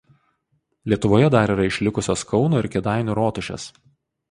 Lietuvoje dar yra išlikusios Kauno ir Kėdainių rotušės.